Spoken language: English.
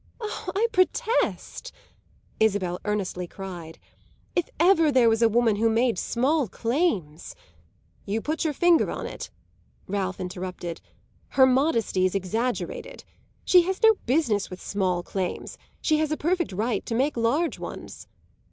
"Ah, I protest!" Isabel earnestly cried. "If ever there was a woman who made small claims !" "You put your finger on it," Ralph interrupted. "Her modesty's exaggerated. She has no business with small claims she has a perfect right to make large ones."